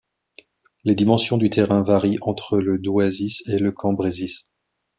Les dimensions du terrain varient entre le Douaisis et le Cambrésis.